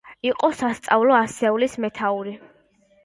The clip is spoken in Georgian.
იყო სასწავლო ასეულის მეთაური.